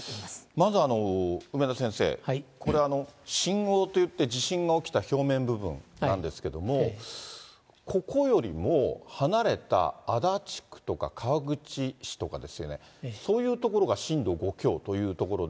まず梅田先生、これ、震央っていって、地震が起きた表面部分なんですけれども、ここよりも離れた足立区とか川口市とかですよね、そういう所が震度５強というところで、